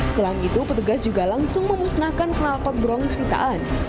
selain itu petugas juga langsung memusnahkan kenalpot berong sitaan